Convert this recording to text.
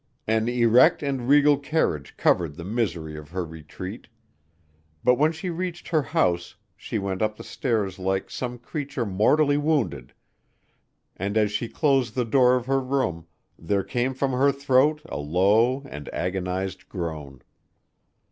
An erect and regal carriage covered the misery of her retreat but when she reached her house she went up the stairs like some creature mortally wounded and as she closed the door of her room, there came from her throat a low and agonized groan.